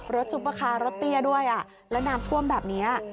ซุปเปอร์คาร์รถเตี้ยด้วยแล้วน้ำท่วมแบบนี้